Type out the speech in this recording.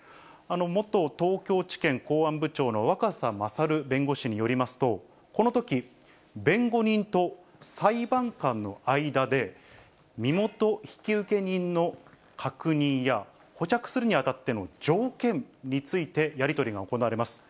元東京地検公安部長の若狭勝弁護士によりますと、このとき、弁護人と裁判官の間で、身元引受人の確認や、保釈するにあたっての条件についてやり取りが行われます。